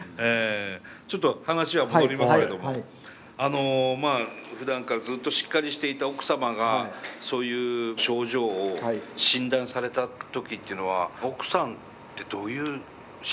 ちょっと話は戻りますけどもふだんからずっとしっかりしていた奥様がそういう症状を診断された時っていうのは奥さんってどういう心境だったんでしょうかね。